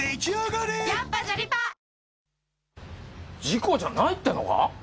事故じゃないってのか？